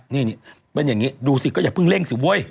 นี่เป็นอย่างนี้ดูสิก็อย่าเพิ่งเร่งสิเว้ย